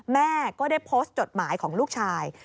แม่ก็ได้โพสต์จดหมายของลูกชาย